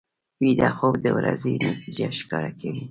ویده خوب د ورځې نتیجې ښکاره کوي